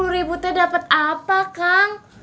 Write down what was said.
tiga puluh ribu teh dapat apa kang